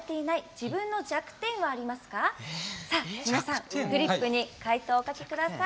皆さん、フリップに回答をお書きください。